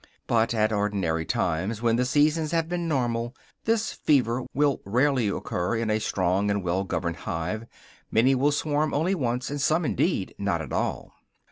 But at ordinary times, when the seasons have been normal, this "fever" will rarely occur in a strong and well governed hive; many will swarm only once, and some, indeed, not at all.